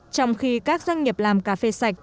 trong khi các doanh nghiệp làm cà phê sạch